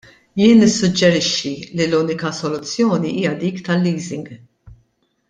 Jien nissuġġerixxi li l-unika soluzzjoni hija dik tal-leasing.